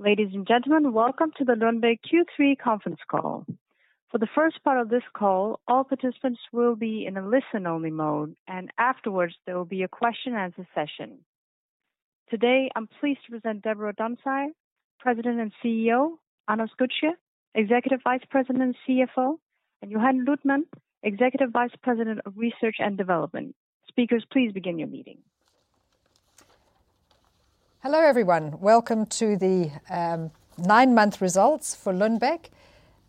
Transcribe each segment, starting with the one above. Ladies and gentlemen, welcome to the Lundbeck Q3 Conference Call. For the first part of this call, all participants will be in a listen-only mode, and afterwards, there will be a question and answer session. Today, I'm pleased to present Deborah Dunsire, President and CEO, Anders Götzsche, Executive Vice President and CFO, and Johan Luthman, Executive Vice President of Research and Development. Speakers, please begin your meeting. Hello, everyone. Welcome to the nine-month results for Lundbeck.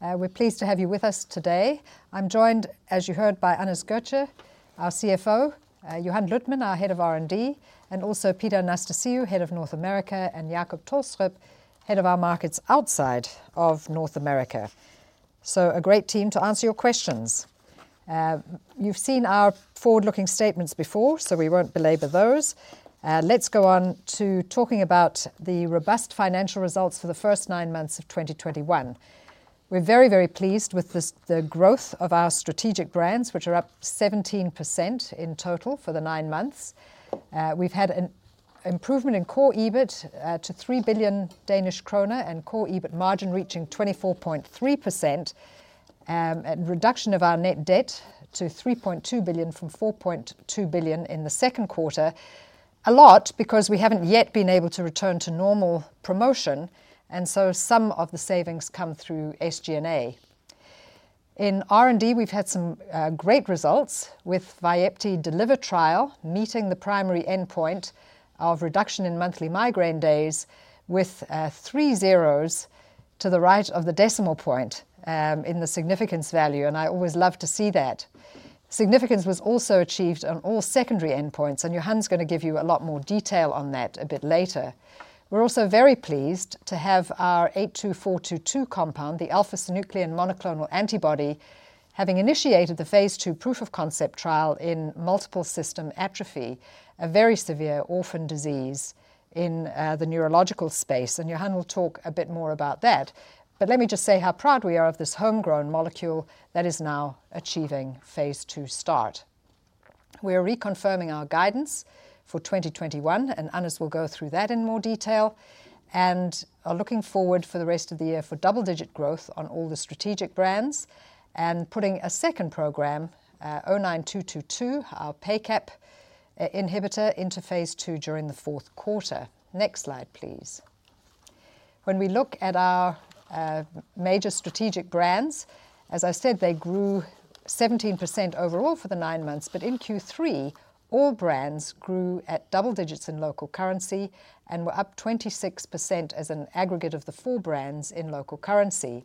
We're pleased to have you with us today. I'm joined, as you heard, by Anders Götzsche, our CFO, Johan Luthman, our head of R&D, and also Peter Anastasiou, head of North America, and Jacob Tolstrup, head of our markets outside of North America. A great team to answer your questions. You've seen our forward-looking statements before, so we won't belabor those. Let's go on to talking about the robust financial results for the first nine months of 2021. We're very, very pleased with the growth of our strategic brands, which are up 17% in total for the nine months. We've had an improvement in core EBIT to 3 billion Danish kroner and core EBIT margin reaching 24.3%, and reduction of our net debt to 3.2 billion from 4.2 billion in the second quarter. A lot because we haven't yet been able to return to normal promotion, and so some of the savings come through SG&A. In R&D, we've had some great results with VYEPTI DELIVER trial meeting the primary endpoint of reduction in monthly migraine days with three zeros to the right of the decimal point in the significance value, and I always love to see that. Significance was also achieved on all secondary endpoints, and Johan's gonna give you a lot more detail on that a bit later. We're also very pleased to have our 82422 compound, the alpha-synuclein monoclonal antibody, having initiated the phase II proof-of-concept trial in multiple system atrophy, a very severe orphan disease in the neurological space, and Johan will talk a bit more about that. But let me just say how proud we are of this homegrown molecule that is now achieving phase II start. We are reconfirming our guidance for 2021, and Anders will go through that in more detail. We are looking forward to the rest of the year for double-digit growth on all the strategic brands and putting a second program, 09222, our PACAP inhibitor, into phase II during the fourth quarter. Next slide, please. When we look at our major strategic brands, as I said, they grew 17% overall for the nine months. In Q3, all brands grew at double digits in local currency and were up 26% as an aggregate of the four brands in local currency.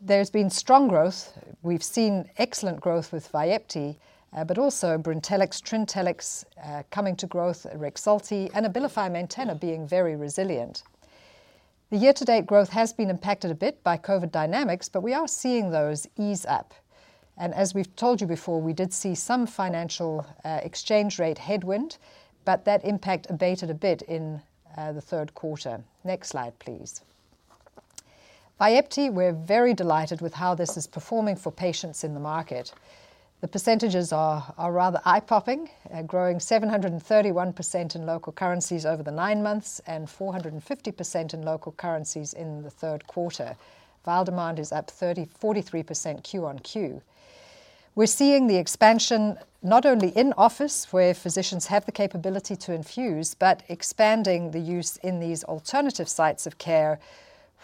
There's been strong growth. We've seen excellent growth with VYEPTI, but also Brintellix, Trintellix, coming to growth, Rexulti, and Abilify Maintena being very resilient. The year-to-date growth has been impacted a bit by COVID dynamics, but we are seeing those ease up. As we've told you before, we did see some financial, exchange rate headwind, but that impact abated a bit in, the third quarter. Next slide, please. VYEPTI, we're very delighted with how this is performing for patients in the market. The percentages are rather eye-popping, growing 731% in local currencies over the nine months and 450% in local currencies in the third quarter. Fill demand is up 43% Q-on-Q. We're seeing the expansion not only in office, where physicians have the capability to infuse, but expanding the use in these alternative sites of care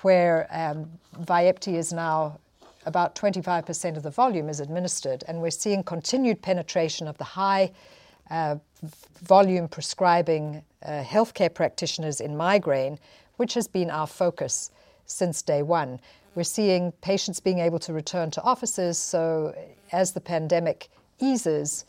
where VYEPTI is now about 25% of the volume is administered. We're seeing continued penetration of the high-volume prescribing healthcare practitioners in migraine, which has been our focus since day one. We're seeing patients being able to return to offices, so as the pandemic eases,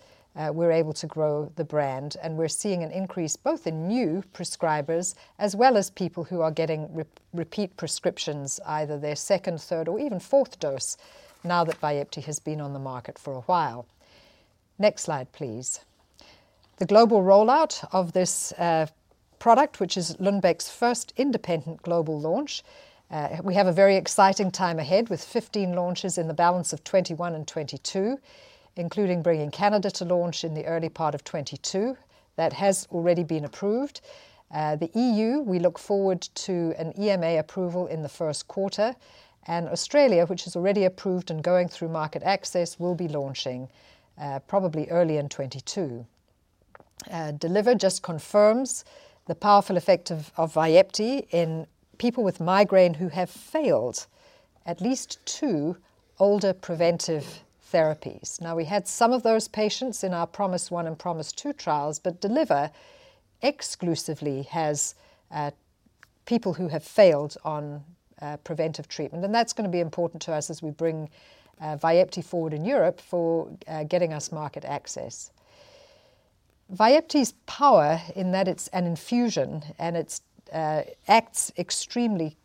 we're able to grow the brand. We're seeing an increase both in new prescribers as well as people who are getting repeat prescriptions, either their second, third, or even fourth dose now that VYEPTI has been on the market for a while. Next slide, please. The global rollout of this product, which is Lundbeck's first independent global launch. We have a very exciting time ahead with 15 launches in the balance of 2021 and 2022, including bringing Canada to launch in the early part of 2022. That has already been approved. The EU, we look forward to an EMA approval in the first quarter. Australia, which has already approved and going through market access, will be launching, probably early in 2022. DELIVER just confirms the powerful effect of VYEPTI in people with migraine who have failed at least two older preventive therapies. Now, we had some of those patients in our PROMISE-1 and PROMISE-2 trials, but DELIVER exclusively has people who have failed on preventive treatment, and that's gonna be important to us as we bring VYEPTI forward in Europe for getting us market access. VYEPTI's power in that it's an infusion and it acts extremely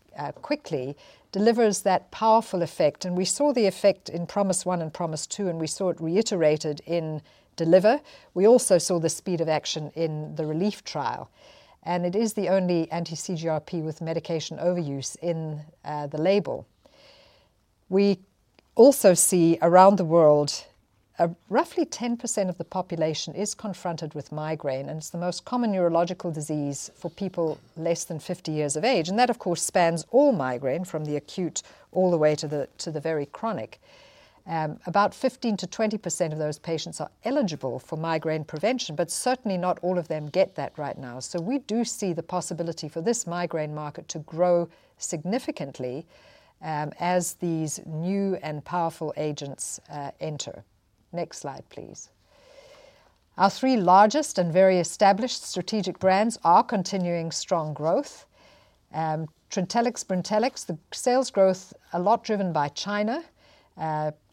quickly, delivers that powerful effect. We saw the effect in PROMISE-1 and PROMISE-2, and we saw it reiterated in DELIVER. We also saw the speed of action in the RELIEF trial, and it is the only anti-CGRP with medication overuse in the label. We also see around the world roughly 10% of the population is confronted with migraine, and it's the most common neurological disease for people less than 50 years of age. That of course spans all migraine from the acute all the way to the very chronic. About 15%-20% of those patients are eligible for migraine prevention, but certainly not all of them get that right now. We do see the possibility for this migraine market to grow significantly, as these new and powerful agents enter. Next slide, please. Our three largest and very established strategic brands are continuing strong growth. Trintellix, Brintellix, the sales growth a lot driven by China.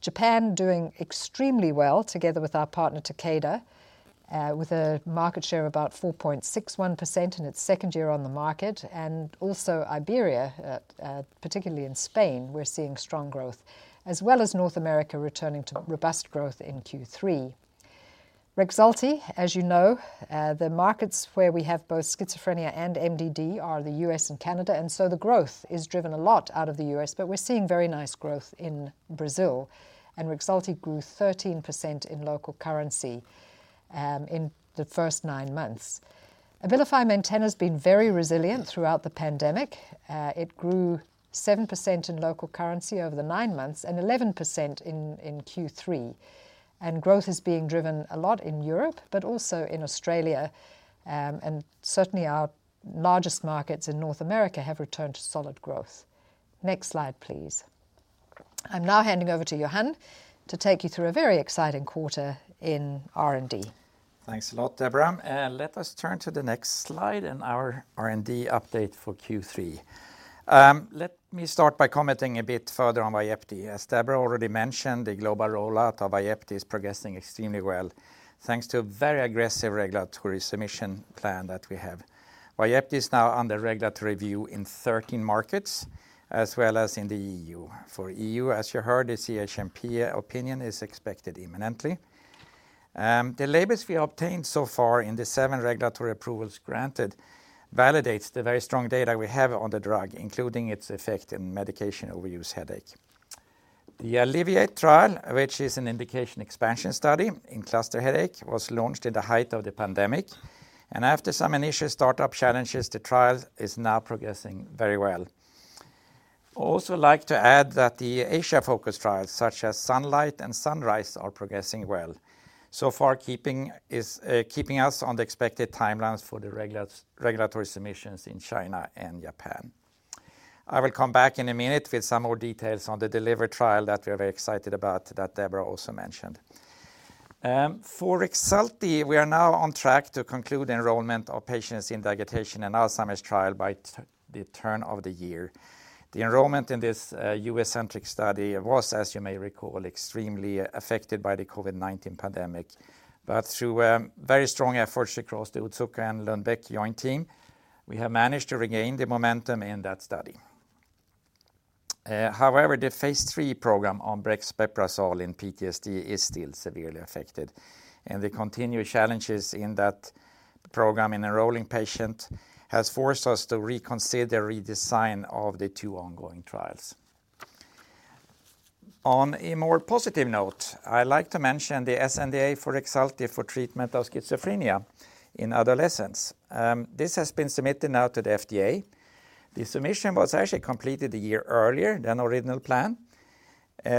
Japan doing extremely well together with our partner Takeda, with a market share of about 4.61% in its second year on the market. Also Iberia, particularly in Spain, we're seeing strong growth, as well as North America returning to robust growth in Q3. Rexulti, as you know, the markets where we have both schizophrenia and MDD are the U.S. and Canada, and so the growth is driven a lot out of the U.S., but we're seeing very nice growth in Brazil. Rexulti grew 13% in local currency in the first nine months. Vyepti and Northera's been very resilient throughout the pandemic. It grew 7% in local currency over the nine months and 11% in Q3. Growth is being driven a lot in Europe but also in Australia. Certainly our largest markets in North America have returned to solid growth. Next slide, please. I'm now handing over to Johan to take you through a very exciting quarter in R&D. Thanks a lot, Deborah. Let us turn to the next slide and our R&D update for Q3. Let me start by commenting a bit further on VYEPTI. As Deborah already mentioned, the global rollout of VYEPTI is progressing extremely well, thanks to a very aggressive regulatory submission plan that we have. VYEPTI is now under regulatory review in 13 markets, as well as in the EU. For EU, as you heard, the CHMP opinion is expected imminently. The labels we obtained so far in the seven regulatory approvals granted validates the very strong data we have on the drug, including its effect in medication overuse headache. The ALLEVIATE trial, which is an indication expansion study in cluster headache, was launched at the height of the pandemic. After some initial startup challenges, the trial is now progressing very well. also like to add that the Asia-focused trials such as SUNLIGHT and SUNRISE are progressing well. So far, keeping us on the expected timelines for the regulatory submissions in China and Japan. I will come back in a minute with some more details on the DELIVER trial that we are very excited about that Deborah also mentioned. For Rexulti, we are now on track to conclude enrollment of patients in the agitation and Alzheimer's trial by the turn of the year. The enrollment in this U.S.-centric study was, as you may recall, extremely affected by the COVID-19 pandemic. Through very strong efforts across the Otsuka and Lundbeck joint team, we have managed to regain the momentum in that study. However, the phase III program on brexpiprazole in PTSD is still severely affected, and the continued challenges in that program in enrolling patient has forced us to reconsider redesign of the two ongoing trials. On a more positive note, I like to mention the SNDA for Rexulti for treatment of schizophrenia in adolescents. This has been submitted now to the FDA. The submission was actually completed a year earlier than original plan,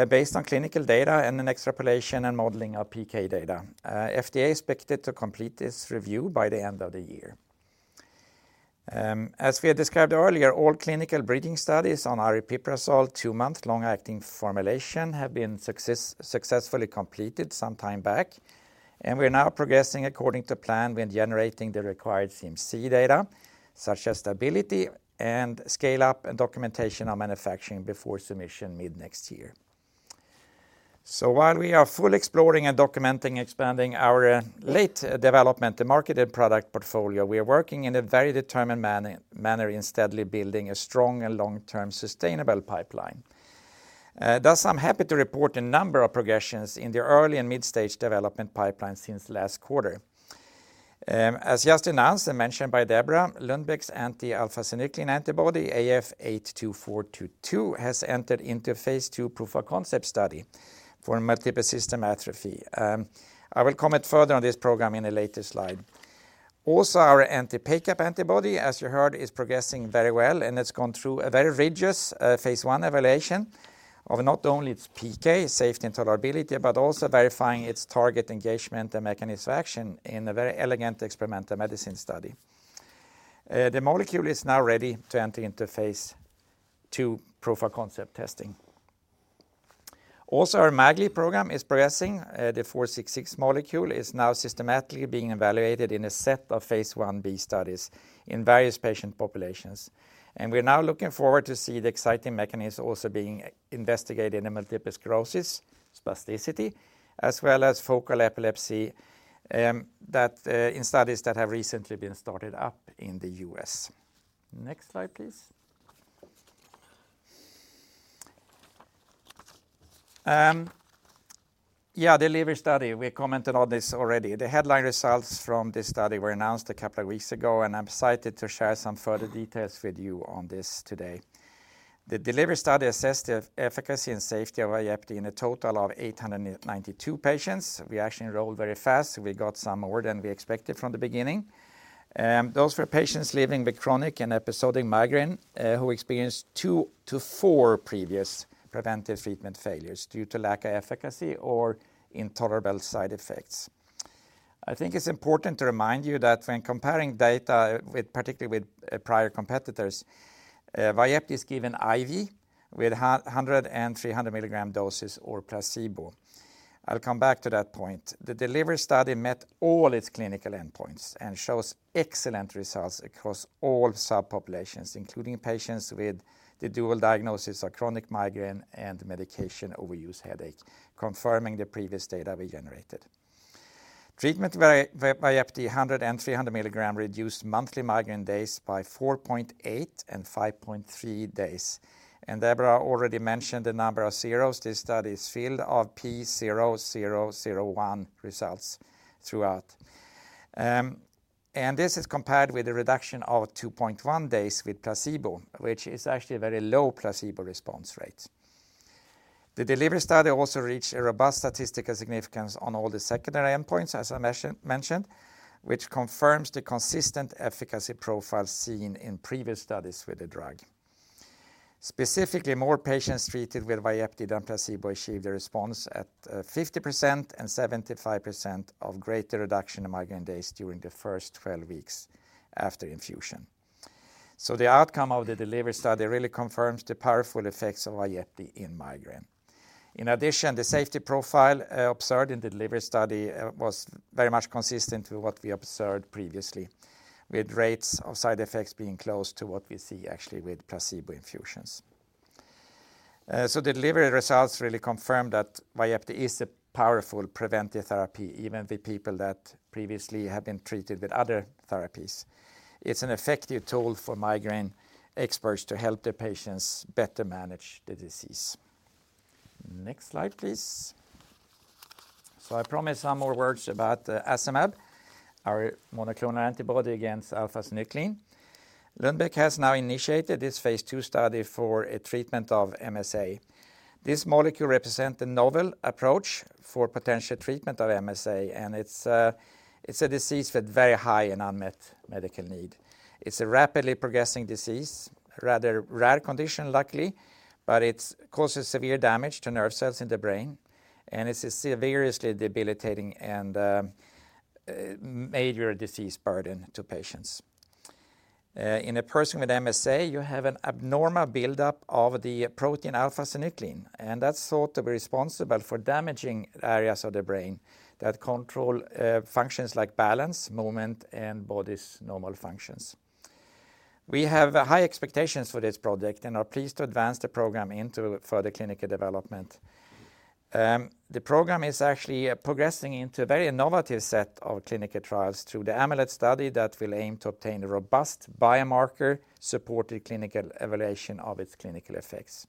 based on clinical data and an extrapolation and modeling of PK data. FDA is expected to complete this review by the end of the year. As we had described earlier, all clinical bridging studies on aripiprazole two-month long-acting formulation have been successfully completed some time back. We're now progressing according to plan when generating the required CMC data, such as stability and scale-up and documentation on manufacturing before submission mid-next year. While we are fully exploring and documenting expanding our late development to marketed product portfolio, we are working in a very determined manner in steadily building a strong and long-term sustainable pipeline. Thus, I'm happy to report a number of progressions in the early and mid-stage development pipeline since last quarter. As just announced and mentioned by Deborah, Lundbeck's anti-alpha-synuclein antibody, Lu AF82422, has entered into phase II proof-of-concept study for multiple system atrophy. I will comment further on this program in a later slide. Also, our anti-PACAP antibody, as you heard, is progressing very well, and it's gone through a very rigorous phase I evaluation of not only its PK safety and tolerability but also verifying its target engagement and mechanism of action in a very elegant experimental medicine study. The molecule is now ready to enter into phase II proof-of-concept testing. Our MAGLi program is progressing. The Lu AG06466 molecule is now systematically being evaluated in a set of phase Ib studies in various patient populations. We're now looking forward to see the exciting mechanisms also being investigated in multiple sclerosis, spasticity, as well as focal epilepsy, that in studies that have recently been started up in the U.S. Next slide, please. DELIVER study. We commented on this already. The headline results from this study were announced a couple of weeks ago, and I'm excited to share some further details with you on this today. The DELIVER study assessed the efficacy and safety of VYEPTI in a total of 892 patients. We actually enrolled very fast. We got some more than we expected from the beginning. Those were patients living with chronic and episodic migraine, who experienced 2-4 previous preventive treatment failures due to lack of efficacy or intolerable side effects. I think it's important to remind you that when comparing data, particularly with prior competitors, VYEPTI is given IV with 100 and 300 milligram doses or placebo. I'll come back to that point. The DELIVER study met all its clinical endpoints and shows excellent results across all subpopulations, including patients with the dual diagnosis of chronic migraine and medication overuse headache, confirming the previous data we generated. Treatment VYEPTI 100 and 300 milligram reduced monthly migraine days by 4.8 days and 5.3 days. Deborah already mentioned the number of zeros. This study is full of p<0.001 results throughout. This is compared with a reduction of 2.1 days with placebo, which is actually a very low placebo response rate. The DELIVER study also reached a robust statistical significance on all the secondary endpoints, as I mentioned, which confirms the consistent efficacy profile seen in previous studies with the drug. Specifically, more patients treated with VYEPTI than placebo achieved a response at 50% and 75% or greater reduction in migraine days during the first 12 weeks after infusion. The outcome of the DELIVER study really confirms the powerful effects of VYEPTI in migraine. In addition, the safety profile observed in the DELIVER study was very much consistent with what we observed previously, with rates of side effects being close to what we see actually with placebo infusions. The DELIVER results really confirm that VYEPTI is a powerful preventive therapy, even with people that previously have been treated with other therapies. It's an effective tool for migraine experts to help their patients better manage the disease. Next slide, please. I promised some more words about the amlenetug, our monoclonal antibody against alpha-synuclein. Lundbeck has now initiated this phase II study for a treatment of MSA. This molecule represent a novel approach for potential treatment of MSA, and it's a disease with very high and unmet medical need. It's a rapidly progressing disease, rather rare condition, luckily, but it causes severe damage to nerve cells in the brain, and it is seriously debilitating and a major disease burden to patients. In a person with MSA, you have an abnormal buildup of the protein alpha-synuclein, and that's thought to be responsible for damaging areas of the brain that control functions like balance, movement, and body's normal functions. We have high expectations for this project and are pleased to advance the program into further clinical development. The program is actually progressing into a very innovative set of clinical trials through the AMYLOID study that will aim to obtain a robust biomarker-supported clinical evaluation of its clinical effects.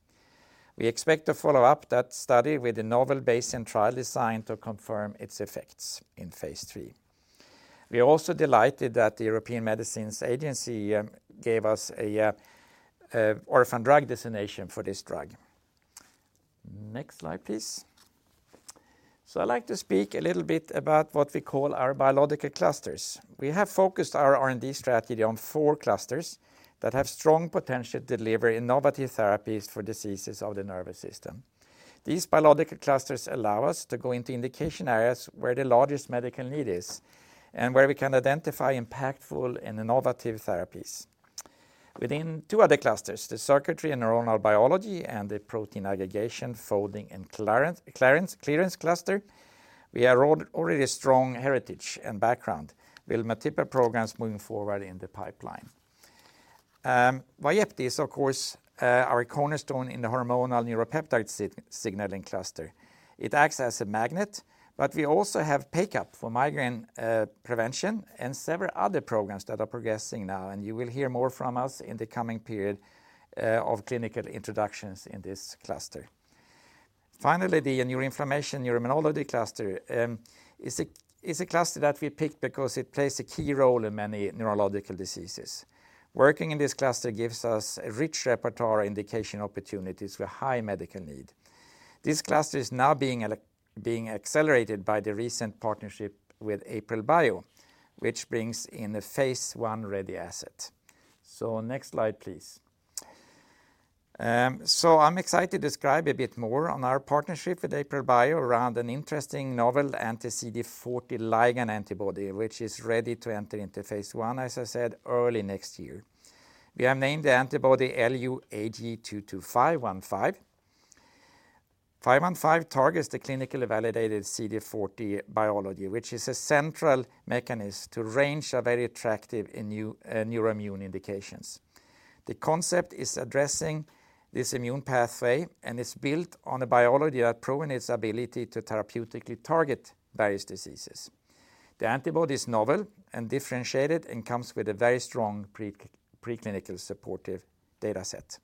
We expect to follow up that study with a novel Bayesian trial design to confirm its effects in phase III. We are also delighted that the European Medicines Agency gave us an orphan drug designation for this drug. Next slide, please. I'd like to speak a little bit about what we call our biological clusters. We have focused our R&D strategy on four clusters that have strong potential to deliver innovative therapies for diseases of the nervous system. These biological clusters allow us to go into indication areas where the largest medical need is and where we can identify impactful and innovative therapies. Within two other clusters, the circuitry and neuronal biology and the protein aggregation, folding, and clearance cluster, we already have a strong heritage and background with multiple programs moving forward in the pipeline. VYEPTI is, of course, our cornerstone in the hormone and neuropeptide signaling cluster. It acts as a magnet, but we also have PACAP for migraine prevention and several other programs that are progressing now, and you will hear more from us in the coming period of clinical introductions in this cluster. Finally, the neuroinflammation immunology cluster is a cluster that we picked because it plays a key role in many neurological diseases. Working in this cluster gives us a rich repertoire indication opportunities with high medical need. This cluster is now being accelerated by the recent partnership with AprilBio, which brings in a phase I-ready asset. Next slide, please. I'm excited to describe a bit more on our partnership with AprilBio around an interesting novel anti-CD40 ligand antibody, which is ready to enter into phase I, as I said, early next year. We have named the antibody Lu AG22515, which targets the clinically validated CD40 biology, which is a central mechanism to a range of very attractive immune neuroimmune indications. The concept is addressing this immune pathway, and it's built on a biology that proven its ability to therapeutically target various diseases. The antibody is novel and differentiated and comes with a very strong preclinical supportive data set.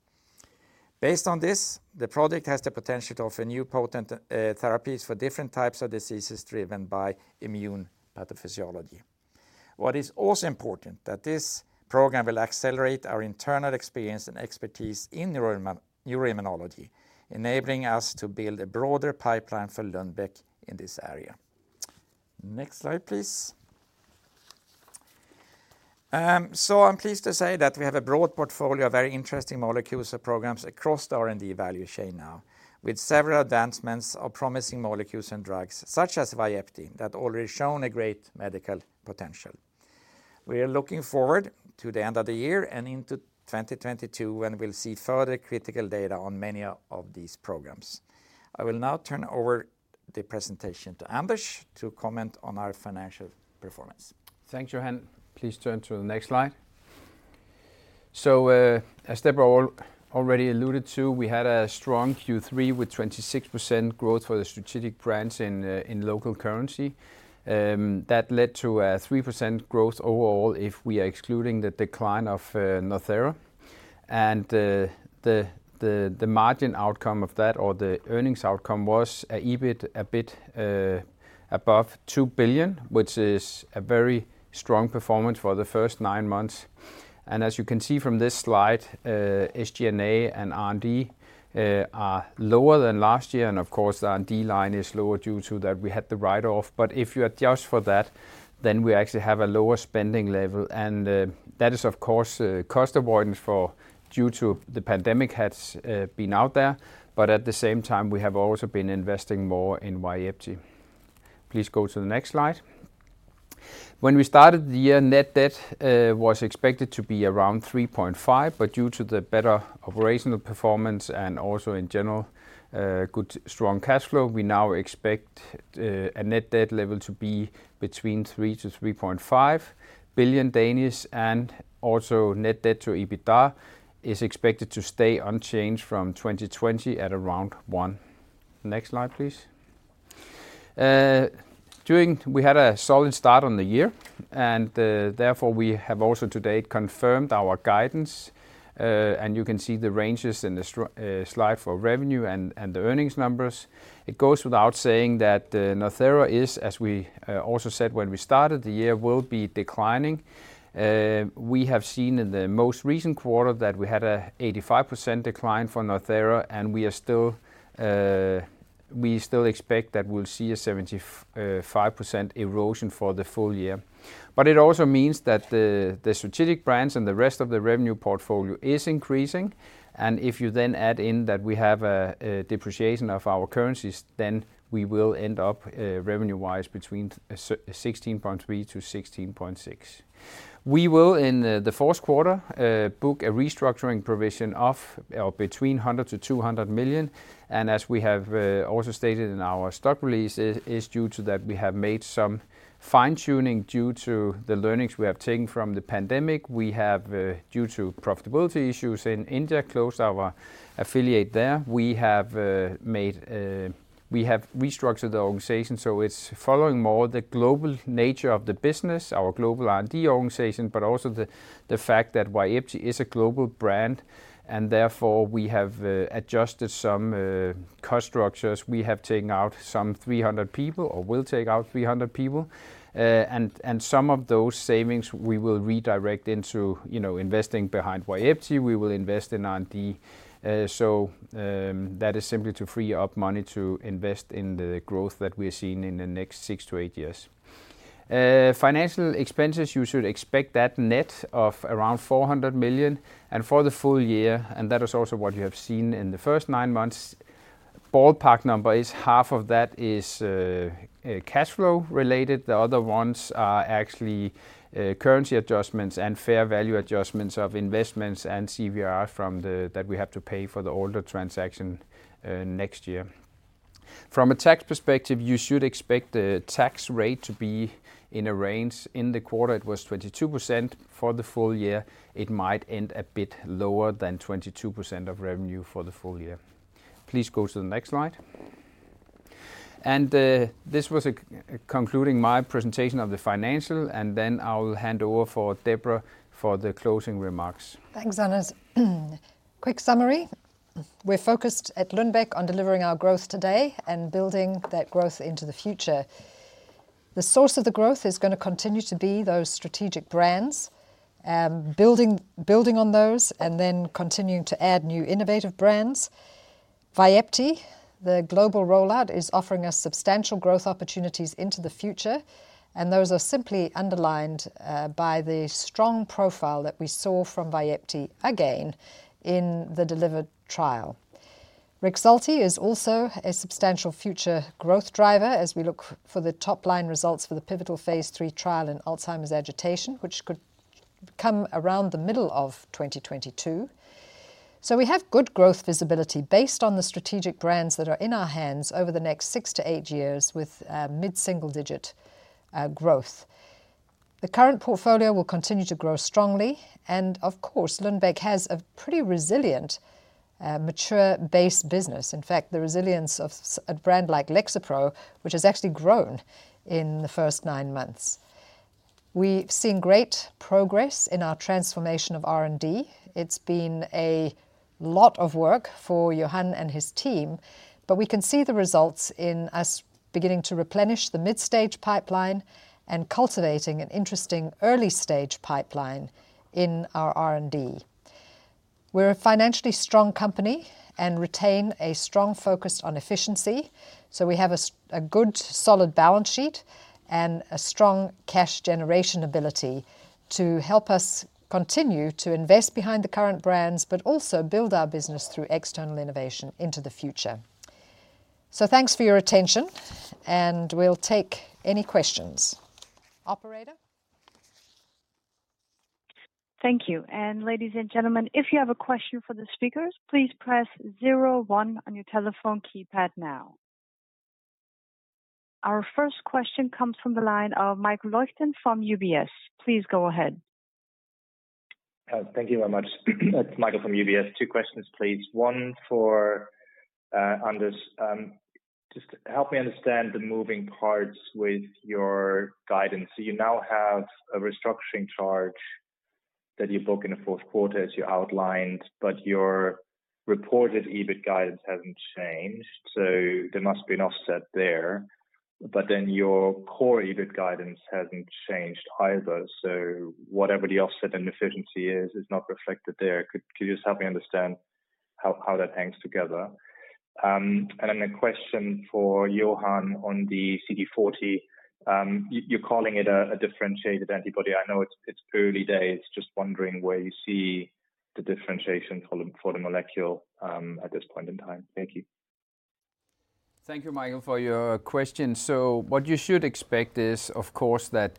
Based on this, the product has the potential of a new potent therapies for different types of diseases driven by immune pathophysiology. What is also important that this program will accelerate our internal experience and expertise in neuroimmunology, enabling us to build a broader pipeline for Lundbeck in this area. Next slide, please. I'm pleased to say that we have a broad portfolio of very interesting molecules or programs across the R&D value chain now, with several advancements of promising molecules and drugs, such as VYEPTI, that already shown a great medical potential. We are looking forward to the end of the year and into 2022 when we'll see further critical data on many of these programs. I will now turn over the presentation to Anders to comment on our financial performance. Thanks, Johan. Please turn to the next slide. As Deborah already alluded to, we had a strong Q3 with 26% growth for the strategic brands in local currency. That led to a 3% growth overall if we are excluding the decline of Northera. The margin outcome of that or the earnings outcome was EBIT a bit above 2 billion, which is a very strong performance for the first nine months. As you can see from this slide, SG&A and R&D are lower than last year, and of course, the R&D line is lower due to that we had the write-off. If you adjust for that, then we actually have a lower spending level, and that is of course cost avoidance due to the pandemic has been out there. At the same time, we have also been investing more in VYEPTI. Please go to the next slide. When we started the year, net debt was expected to be around 3.5 billion, but due to the better operational performance and also in general good strong cash flow, we now expect a net debt level to be between 3 billion-3.5 billion and also net debt to EBITDA is expected to stay unchanged from 2020 at around 1. Next slide, please. We had a solid start to the year, and therefore, we have also to date confirmed our guidance. And you can see the ranges in the slide for revenue and the earnings numbers. It goes without saying that Northera is, as we also said when we started the year, will be declining. We have seen in the most recent quarter that we had a 85% decline for Northera, and we still expect that we'll see a 75% erosion for the full year. It also means that the strategic brands and the rest of the revenue portfolio is increasing, and if you then add in that we have a depreciation of our currencies, then we will end up revenue-wise between 16.3 billion-16.6 billion. We will, in the fourth quarter, book a restructuring provision of between 100 million-200 million, and as we have also stated in our stock release, is due to that we have made some fine-tuning due to the learnings we have taken from the pandemic. We have, due to profitability issues in India, closed our affiliate there. We have restructured the organization, so it's following more the global nature of the business, our global R&D organization, but also the fact that VYEPTI is a global brand and therefore we have adjusted some cost structures. We have taken out some 300 people, or will take out 300 people. And some of those savings we will redirect into, you know, investing behind VYEPTI. We will invest in R&D. That is simply to free up money to invest in the growth that we're seeing in the next 6-8 years. Financial expenses, you should expect that net of around 400 million. For the full year, and that is also what you have seen in the first nine months, ballpark number is half of that is cash flow related. The other ones are actually currency adjustments and fair value adjustments of investments and CVR from the that we have to pay for the Alder transaction next year. From a tax perspective, you should expect the tax rate to be in a range. In the quarter, it was 22%. For the full year, it might end a bit lower than 22% of revenue for the full year. Please go to the next slide. This was concluding my presentation of the financial, and then I will hand over to Deborah for the closing remarks. Thanks, Anders. Quick summary. We're focused at Lundbeck on delivering our growth today and building that growth into the future. The source of the growth is gonna continue to be those strategic brands, building on those and then continuing to add new innovative brands. VYEPTI, the global rollout, is offering us substantial growth opportunities into the future, and those are simply underlined by the strong profile that we saw from VYEPTI again in the DELIVER trial. Rexulti is also a substantial future growth driver as we look for the top-line results for the pivotal phase III trial in Alzheimer's agitation, which could come around the middle of 2022. We have good growth visibility based on the strategic brands that are in our hands over the next 6-8 years with mid-single-digit % growth. The current portfolio will continue to grow strongly, and of course, Lundbeck has a pretty resilient, mature base business. In fact, the resilience of a brand like Lexapro, which has actually grown in the first nine months. We've seen great progress in our transformation of R&D. It's been a lot of work for Johan and his team, but we can see the results in us beginning to replenish the mid-stage pipeline and cultivating an interesting early-stage pipeline in our R&D. We're a financially strong company and retain a strong focus on efficiency, so we have a good, solid balance sheet and a strong cash generation ability to help us continue to invest behind the current brands, but also build our business through external innovation into the future. Thanks for your attention, and we'll take any questions. Operator? Thank you. Ladies and gentlemen, if you have a question for the speakers, please press zero-one on your telephone keypad now. Our first question comes from the line of Michael Leuchten from UBS. Please go ahead. Thank you very much. It's Michael from UBS. Two questions, please. One for Anders. Just help me understand the moving parts with your guidance. You now have a restructuring charge that you book in the fourth quarter as you outlined, but your reported EBIT guidance hasn't changed, so there must be an offset there. Then your core EBIT guidance hasn't changed either, so whatever the offset and efficiency is, it's not reflected there. Could you just help me understand how that hangs together? Then a question for Johan on the CD40. You're calling it a differentiated antibody. I know it's early days. Just wondering where you see the differentiation for the molecule at this point in time. Thank you. Thank you, Michael, for your questions. What you should expect is, of course, that.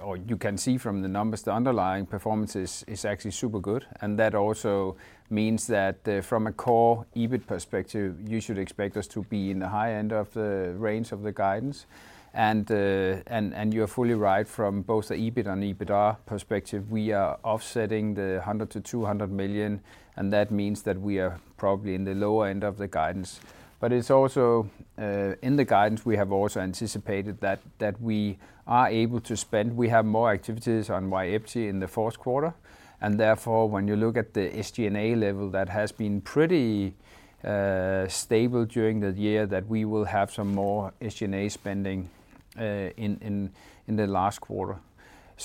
Or you can see from the numbers, the underlying performance is actually super good. That also means that, from a core EBIT perspective, you should expect us to be in the high end of the range of the guidance. You're fully right from both the EBIT and the EBITDA perspective. We are offsetting the 100 million-200 million, and that means that we are probably in the lower end of the guidance. It's also, in the guidance, we have also anticipated that we are able to spend. We have more activities on VYEPTI in the fourth quarter, and therefore, when you look at the SG&A level, that has been pretty stable during the year that we will have some more SG&A spending in the last quarter.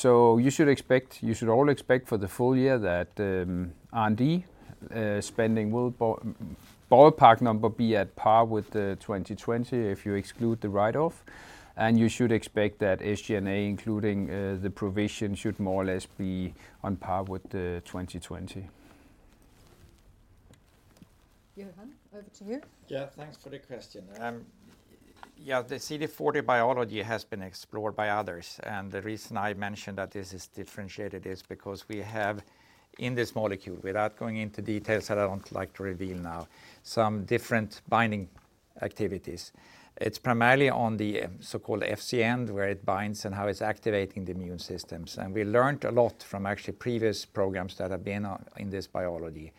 You should all expect for the full year that R&D spending will ballpark number be at par with 2020 if you exclude the write-off. You should expect that SG&A, including the provision, should more or less be on par with 2020. Johan, over to you. Yeah, thanks for the question. Yeah, the CD40 biology has been explored by others, and the reason I mentioned that this is differentiated is because we have in this molecule, without going into details that I don't like to reveal now, some different binding activities. It's primarily on the so-called Fc region, where it binds and how it's activating the immune systems. We learned a lot from actually previous programs that have been in this biology.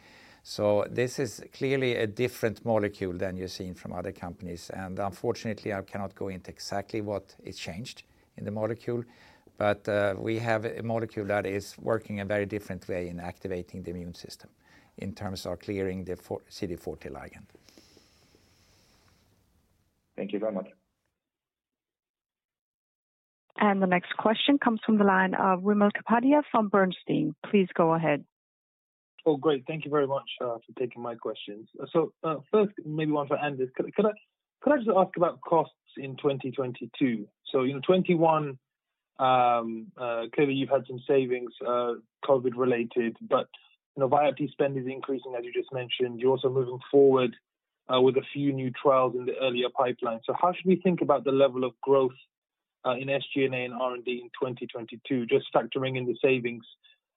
This is clearly a different molecule than you're seeing from other companies. Unfortunately, I cannot go into exactly what is changed in the molecule. We have a molecule that is working a very different way in activating the immune system in terms of clearing the CD40 ligand. Thank you very much. The next question comes from the line of Wimal Kapadia from Bernstein. Please go ahead. Thank you very much for taking my questions. First, maybe one for Anders. Could I just ask about costs in 2022? You know, 2021, clearly you've had some savings, COVID related, but, you know, Vyepti spend is increasing, as you just mentioned. You're also moving forward with a few new trials in the earlier pipeline. How should we think about the level of growth in SG&A and R&D in 2022, just factoring in the savings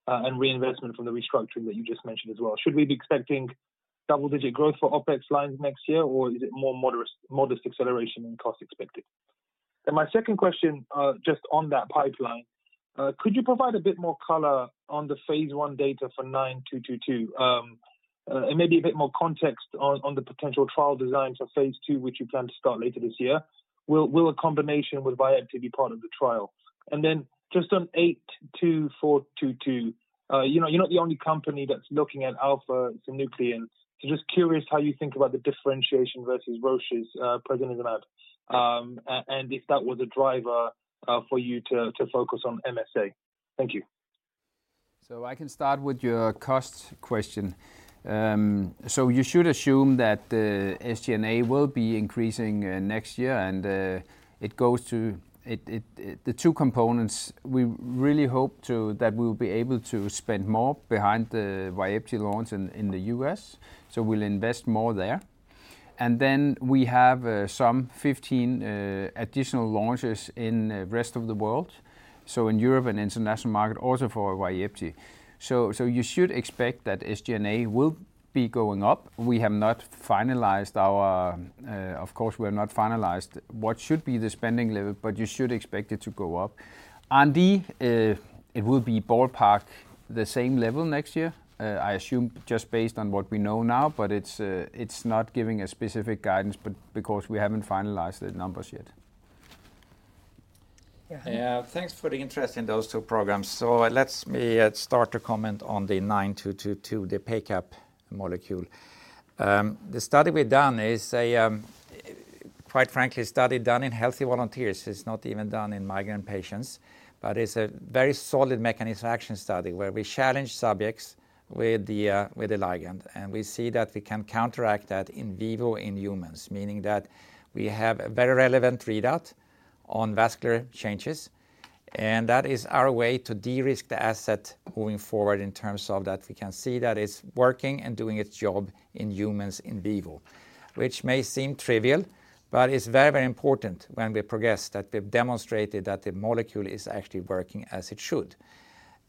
and reinvestment from the restructuring that you just mentioned as well? Should we be expecting double-digit growth for OpEx lines next year, or is it more modest acceleration in costs expected? My second question, just on that pipeline, could you provide a bit more color on the phase I data for Lu AG09222? Maybe a bit more context on the potential trial designs for phase II, which you plan to start later this year. Will a combination with VYEPTI be part of the trial? Then just on Lu AF82422, you know, you're not the only company that's looking at alpha-synuclein. Just curious how you think about the differentiation versus Roche's prasinezumab, and if that was a driver for you to focus on MSA. Thank you. I can start with your cost question. You should assume that the SG&A will be increasing next year, and the two components that we'll be able to spend more behind the VYEPTI launch in the U.S., so we'll invest more there. Then we have some 15 additional launches in the rest of the world, so in Europe and international market also for VYEPTI. You should expect that SG&A will be going up. We have not finalized our. Of course, we have not finalized what should be the spending level, but you should expect it to go up. R&D, it will be ballpark the same level next year. I assume just based on what we know now, but it's not giving a specific guidance but, because we haven't finalized the numbers yet. Yeah, thanks for the interest in those two programs. Let me start to comment on the Lu AG09222, the PACAP molecule. The study we've done is, quite frankly, a study done in healthy volunteers. It's not even done in migraine patients, but it's a very solid mechanism action study where we challenge subjects with the ligand, and we see that we can counteract that in vivo in humans, meaning that we have a very relevant readout on vascular changes, and that is our way to de-risk the asset moving forward in terms of that we can see that it's working and doing its job in humans in vivo. Which may seem trivial, but it's very, very important when we progress that we've demonstrated that the molecule is actually working as it should.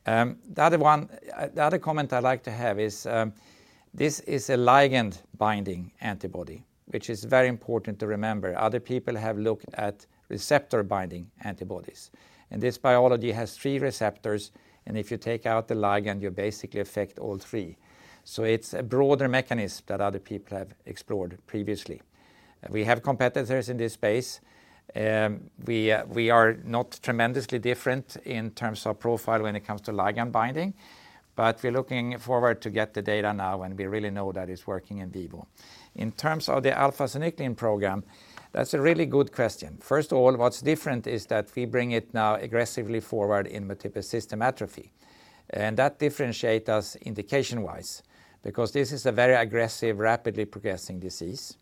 The other one... The other comment I'd like to have is, this is a ligand binding antibody, which is very important to remember. Other people have looked at receptor binding antibodies, and this biology has three receptors, and if you take out the ligand, you basically affect all three. So it's a broader mechanism that other people have explored previously. We have competitors in this space. We are not tremendously different in terms of profile when it comes to ligand binding, but we're looking forward to get the data now, and we really know that it's working in vivo. In terms of the alpha-synuclein program, that's a really good question. First of all, what's different is that we bring it now aggressively forward in multiple system atrophy, and that differentiate us indication-wise because this is a very aggressive, rapidly progressing disease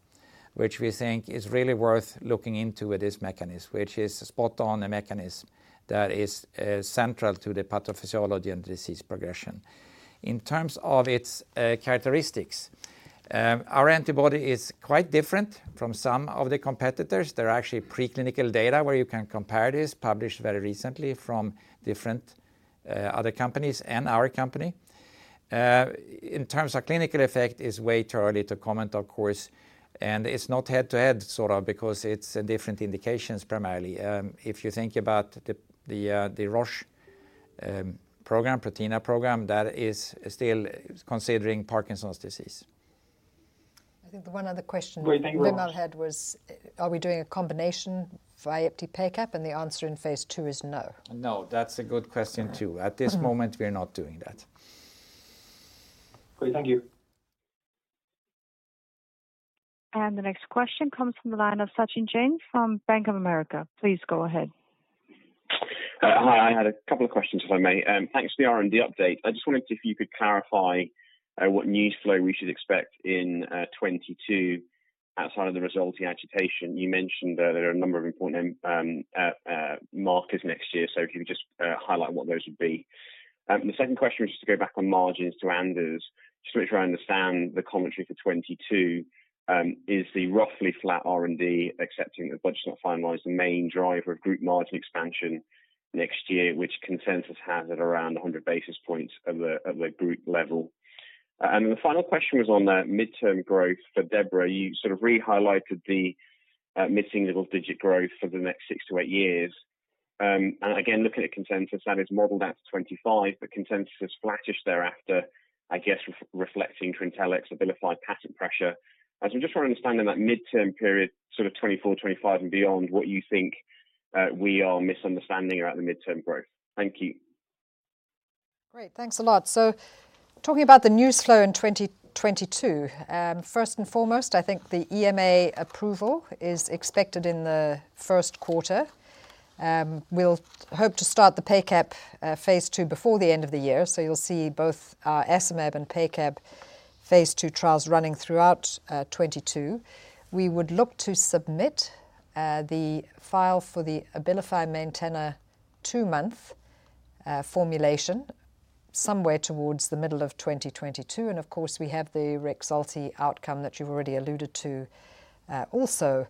which we think is really worth looking into with this mechanism, which is spot on the mechanism that is central to the pathophysiology and disease progression. In terms of its characteristics, our antibody is quite different from some of the competitors. There are actually preclinical data where you can compare this published very recently from different other companies and our company. In terms of clinical effect, it's way too early to comment, of course, and it's not head-to-head, sort of, because it's different indications primarily. If you think about the Roche program, Prothena program, that is still considering Parkinson's disease. I think the one other question. Great. Thank you. Wimal had asked, are we doing a combination VYEPTI PACAP? The answer in phase II is no. No, that's a good question, too. Mm-hmm. At this moment, we are not doing that. Great. Thank you. The next question comes from the line of Sachin Jain from Bank of America. Please go ahead. Hi. I had a couple of questions, if I may. Thanks for the R&D update. I just wondered if you could clarify what news flow we should expect in 2022 outside of the Rexulti agitation. You mentioned that there are a number of important markers next year. So if you could just highlight what those would be. The second question was just to go back on margins to Anders. Just to make sure I understand the commentary for 2022, is the roughly flat R&D accepting that the budget's not finalized, the main driver of group margin expansion next year, which consensus has at around 100 basis points at the group level. The final question was on the mid-term growth for Deborah. You sort of re-highlighted the mid-single-digit growth for the next six to eight years. Again, looking at consensus, that is modeled at 25%, but consensus is flattish thereafter, I guess reflecting Trintellix Abilify patent pressure. I just want to understand in that midterm period, sort of 2024, 2025 and beyond, what you think we are misunderstanding about the midterm growth. Thank you. Great. Thanks a lot. Talking about the news flow in 2022, first and foremost, I think the EMA approval is expected in the first quarter. We'll hope to start the PACAP phase II before the end of the year. You'll see both our esomeprazole and PACAP phase II trials running throughout 2022. We would look to submit the file for the Abilify Maintena 2-month formulation somewhere towards the middle of 2022. Of course, we have the Rexulti outcome that you've already alluded to, also,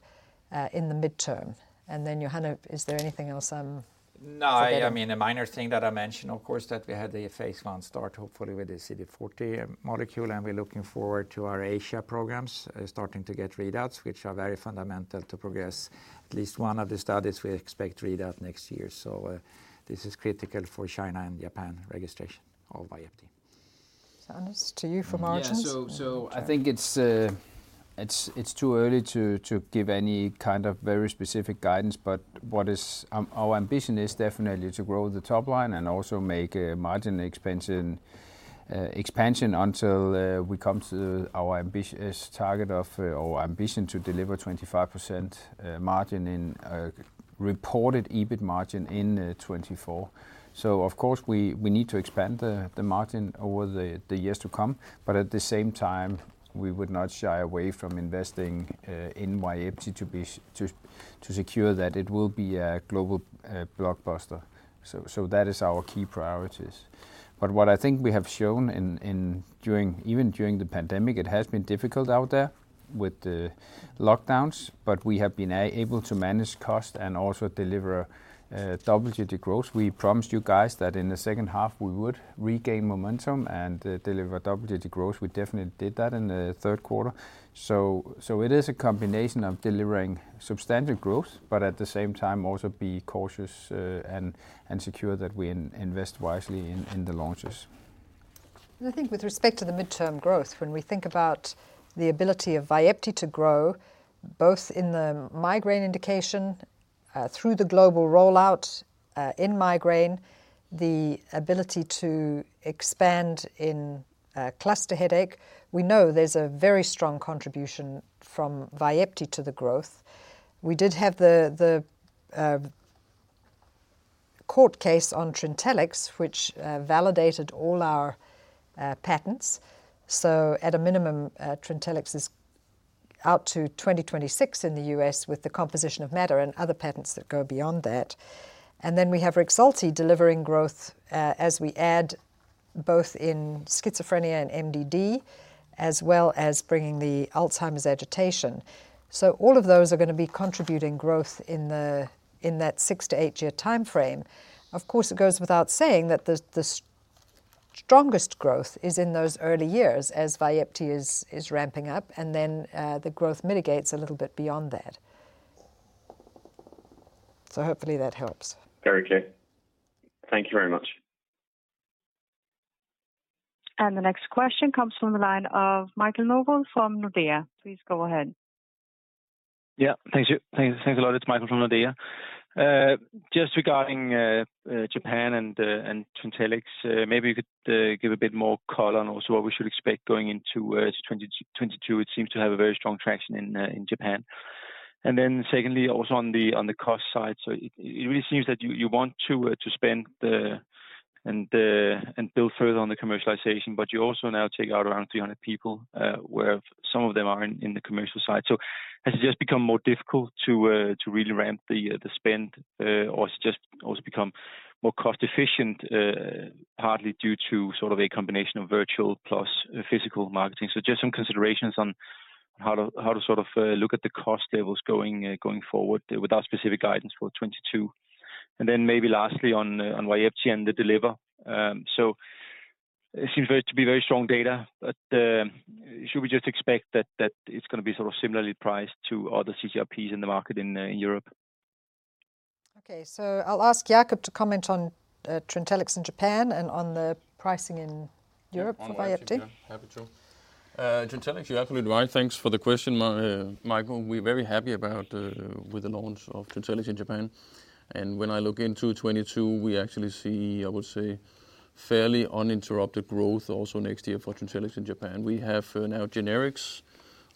in the midterm. Then, Johan, is there anything else I'm forgetting? No, I mean, a minor thing that I mentioned, of course, that we had the phase I start, hopefully with the CD40 molecule, and we're looking forward to our Asia programs starting to get readouts, which are very fundamental to progress. At least one of the studies we expect readout next year. This is critical for China and Japan registration of VYEPTI. Anders, to you for margins. I think it's too early to give any kind of very specific guidance. What our ambition is definitely to grow the top line and also make a margin expansion until we come to our ambitious target of or ambition to deliver 25% margin in reported EBIT margin in 2024. Of course we need to expand the margin over the years to come, but at the same time, we would not shy away from investing in VYEPTI to secure that it will be a global blockbuster. That is our key priorities. What I think we have shown during, even during the pandemic, it has been difficult out there with the lockdowns, but we have been able to manage cost and also deliver double-digit growth. We promised you guys that in the second half we would regain momentum and deliver double-digit growth. We definitely did that in the third quarter. It is a combination of delivering substantial growth, but at the same time also be cautious and secure that we invest wisely in the launches. I think with respect to the midterm growth, when we think about the ability of VYEPTI to grow both in the migraine indication, through the global rollout, in migraine, the ability to expand in, cluster headache. We know there's a very strong contribution from VYEPTI to the growth. We did have the court case on Trintellix, which validated all our patents. So at a minimum, Trintellix is out to 2026 in the U.S. with the composition of matter and other patents that go beyond that. And then we have Rexulti delivering growth, as we add both in schizophrenia and MDD, as well as bringing the Alzheimer's agitation. So all of those are gonna be contributing growth in that 6 year-8 year timeframe. Of course, it goes without saying that the strongest growth is in those early years as VYEPTI is ramping up, and then, the growth mitigates a little bit beyond that. Hopefully that helps. Very clear. Thank you very much. The next question comes from the line of Michael Novod from Nordea. Please go ahead. Yeah, thank you. Thanks a lot. It's Michael Novod from Nordea. Just regarding Japan and Trintellix, maybe you could give a bit more color on also what we should expect going into 2022. It seems to have very strong traction in Japan. Then secondly, also on the cost side. It really seems that you want to spend and build further on the commercialization, but you also now take out around 300 people, where some of them are in the commercial side. Has it just become more difficult to really ramp the spend, or it's just also become more cost efficient, partly due to sort of a combination of virtual plus physical marketing? Just some considerations on how to sort of look at the cost levels going forward without specific guidance for 2022. Then maybe lastly on VYEPTI and the DELIVER. It seems very strong data, but should we just expect that it's gonna be sort of similarly priced to other CGRPs in the market in Europe? Okay. I'll ask Jacob to comment on Trintellix in Japan and on the pricing in Europe for VYEPTI. Happy to. Trintellix, you're absolutely right. Thanks for the question, Michael. We're very happy with the launch of Trintellix in Japan. When I look into 2022, we actually see, I would say, fairly uninterrupted growth also next year for Trintellix in Japan. We have now generics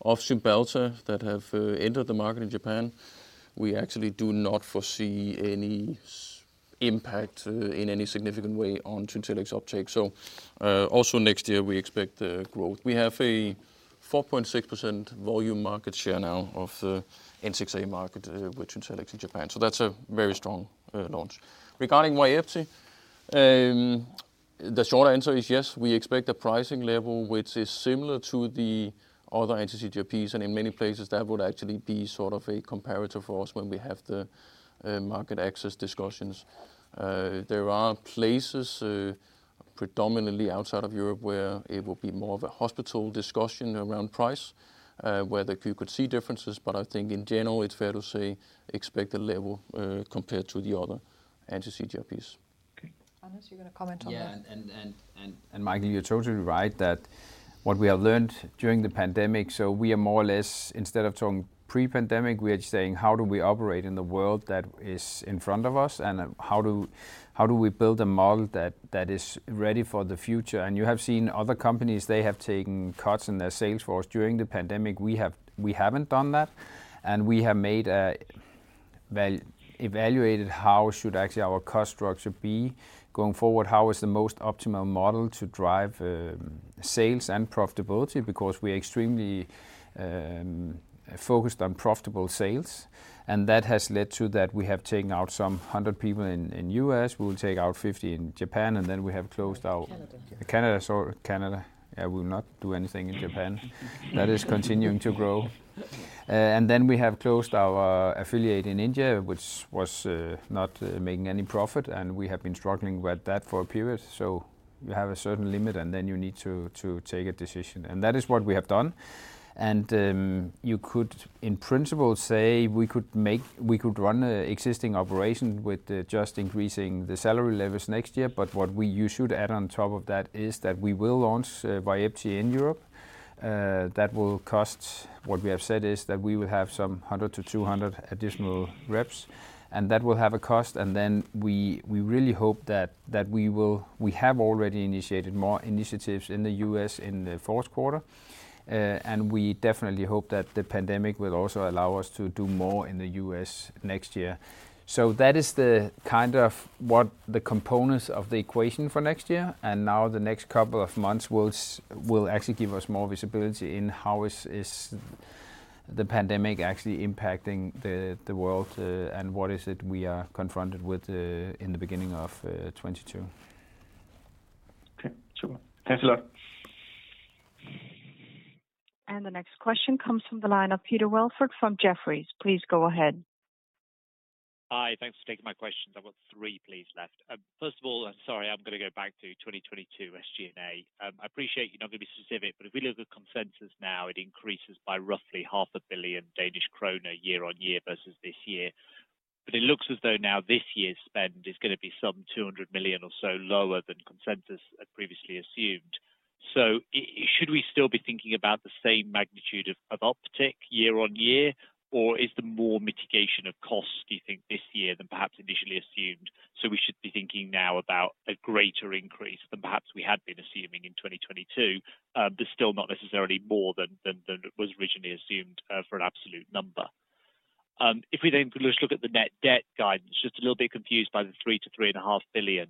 of Cymbalta that have entered the market in Japan. We actually do not foresee any impact in any significant way on Trintellix uptake. Also next year we expect growth. We have a 4.6% volume market share now of the N06A market with Trintellix in Japan. That's a very strong launch. Regarding VYEPTI, the short answer is yes, we expect a pricing level which is similar to the other anti-CGRPs, and in many places that would actually be sort of a comparative force when we have the market access discussions. There are places, predominantly outside of Europe, where it will be more of a hospital discussion around price, where you could see differences. I think in general, it's fair to say expect a level compared to the other anti-CGRPs. Okay. Anders, you gonna comment on that? Yeah. Michael, you're totally right that what we have learned during the pandemic. We are more or less instead of talking pre-pandemic, we are saying, "How do we operate in the world that is in front of us, and how do we build a model that is ready for the future?" You have seen other companies, they have taken cuts in their sales force during the pandemic. We haven't done that. We have evaluated how should actually our cost structure be going forward. How is the most optimal model to drive sales and profitability? Because we're extremely focused on profitable sales. That has led to that we have taken out some 100 people in the U.S., we will take out 50 in Japan, and then we have closed our- Canada. Canada. Sorry, Canada. Yeah, we'll not do anything in Japan. That is continuing to grow. Then we have closed our affiliate in India, which was not making any profit, and we have been struggling with that for a period. You have a certain limit, and then you need to take a decision. That is what we have done. You could, in principle, say we could run an existing operation with just increasing the salary levels next year. You should add on top of that is that we will launch VYEPTI in Europe. That will cost. What we have said is that we will have 100-200 additional reps, and that will have a cost. Then we really hope that we will. We have already initiated more initiatives in the U.S. in the fourth quarter. We definitely hope that the pandemic will also allow us to do more in the U.S. next year. That is kind of what the components of the equation for next year. Now the next couple of months will actually give us more visibility in how is the pandemic actually impacting the world, and what is it we are confronted with in the beginning of 2022. Okay. Super. Thanks a lot. The next question comes from the line of Peter Welford from Jefferies. Please go ahead. Hi. Thanks for taking my questions. I've got three left please. First of all, I'm sorry, I'm gonna go back to 2022 SG&A. I appreciate you're not gonna be specific, but if we look at consensus now, it increases by roughly half a billion Danish krone year on year versus this year. It looks as though now this year's spend is gonna be some 200 million or so lower than consensus had previously assumed. Should we still be thinking about the same magnitude of uptick year on year, or is there more mitigation of costs, do you think, this year than perhaps initially assumed, so we should be thinking now about a greater increase than perhaps we had been assuming in 2022, but still not necessarily more than was originally assumed for an absolute number? If we could just look at the net debt guidance, just a little bit confused by the 3 billion-3.5 billion.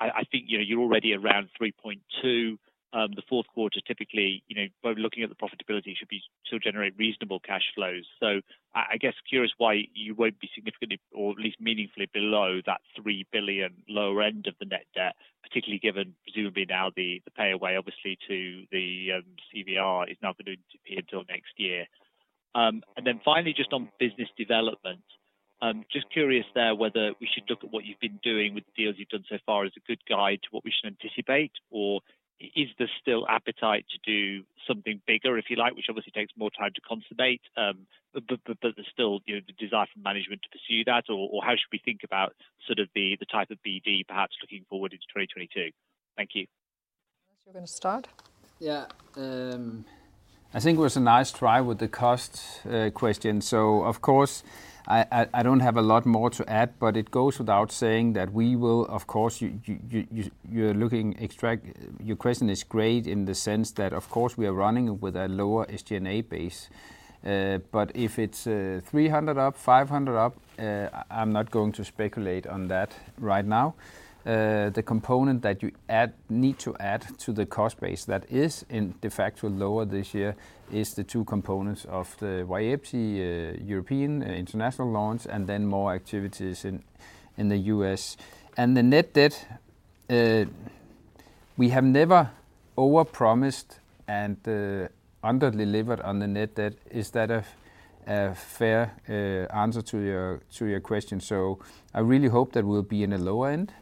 I think, you know, you're already around 3.2 billion. The fourth quarter typically, you know, by looking at the profitability should still generate reasonable cash flows. I guess curious why you won't be significantly or at least meaningfully below that 3 billion lower end of the net debt, particularly given presumably now the payout obviously to the CVR is now gonna be until next year. Finally just on business development, just curious there whether we should look at what you've been doing with the deals you've done so far as a good guide to what we should anticipate, or is there still appetite to do something bigger, if you like, which obviously takes more time to consummate. There's still, you know, the desire for management to pursue that or how should we think about sort of the type of BD perhaps looking forward into 2022? Thank you. Anders, you're gonna start. Yeah. I think it was a nice try with the cost question. Of course I don't have a lot more to add, but it goes without saying. Your question is great in the sense that of course we are running with a lower SG&A base. If it's 300 up, 500 up, I'm not going to speculate on that right now. The component that you need to add to the cost base that is de facto lower this year is the two components of the VYEPTI European international launch and then more activities in the U.S. The net debt we have never overpromised and under-delivered on the net debt. Is that a fair answer to your question? I really hope that we'll be in the lower end,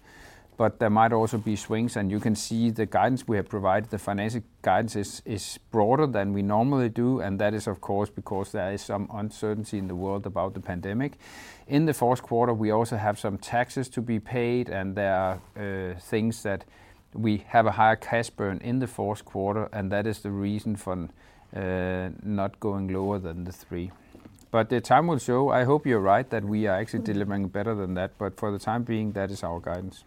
but there might also be swings, and you can see the guidance we have provided. The financial guidance is broader than we normally do, and that is of course because there is some uncertainty in the world about the pandemic. In the fourth quarter, we also have some taxes to be paid, and there are things that we have a higher cash burn in the fourth quarter, and that is the reason for not going lower than the three. The time will show. I hope you're right that we are actually delivering better than that, but for the time being, that is our guidance.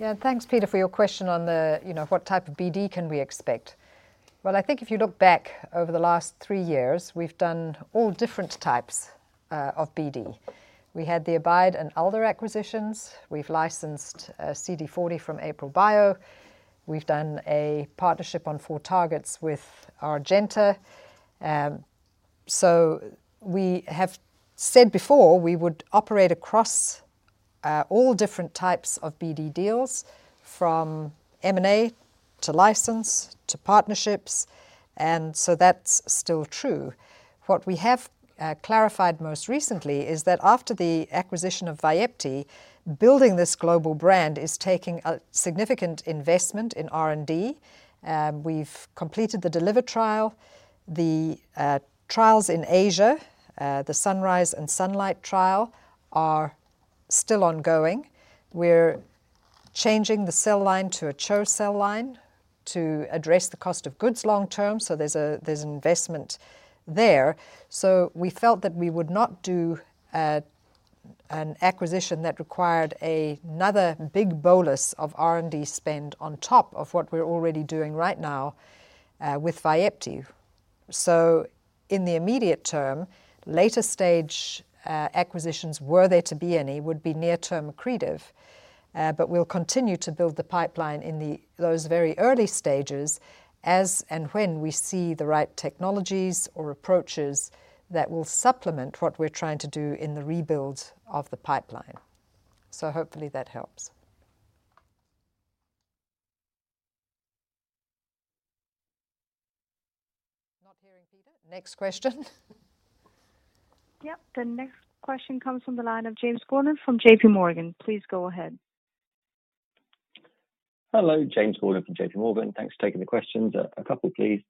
Yeah. Thanks, Peter, for your question on the, you know, what type of BD can we expect. Well, I think if you look back over the last three years, we've done all different types of BD. We had the Abide and Alder acquisitions. We've licensed CD40 from AprilBio. We've done a partnership on four targets with Argenta. So we have said before we would operate across all different types of BD deals, from M&A to license to partnerships, and so that's still true. What we have clarified most recently is that after the acquisition of VYEPTI, building this global brand is taking a significant investment in R&D. We've completed the DELIVER trial. The trials in Asia, the SUNRISE and SUNLIGHT trial, are still ongoing. We're changing the cell line to a CHO cell line to address the cost of goods long term. There's investment there. We felt that we would not do an acquisition that required another big bolus of R&D spend on top of what we're already doing right now with VYEPTI. In the immediate term, later stage acquisitions, were there to be any, would be near-term accretive. But we'll continue to build the pipeline in those very early stages as and when we see the right technologies or approaches that will supplement what we're trying to do in the rebuild of the pipeline. Hopefully that helps. Not hearing Peter. Next question. Yep. The next question comes from the line of James Gordon from JPMorgan. Please go ahead. Hello. James Gordon from JPMorgan. Thanks for taking the questions. A couple, please.